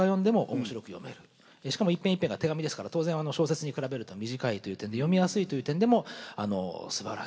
しかも一編一編が手紙ですから当然小説に比べると短いという点で読みやすいという点でもすばらしい。